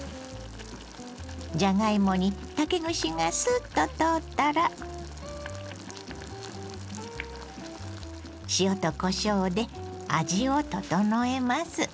じゃがいもに竹串がすっと通ったら塩とこしょうで味を調えます。